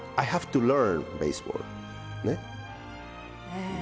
へえ！